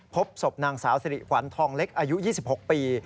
พบศพนางสาวสิริขวัญทองเล็กอายุ๒๖ปี